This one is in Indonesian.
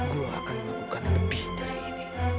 gue akan melakukan lebih dari ini